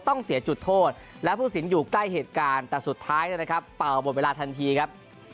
ต้องเสียจุดโทษและผู้สินอยู่ใกล้เหตุการณ์แต่สุดท้ายนะครับเป่าหมดเวลาทันทีครับ